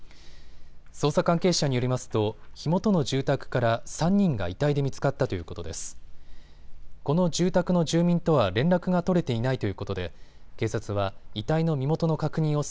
捜査関係者によりますと火元の住宅から３人が遺体で見つかったということです。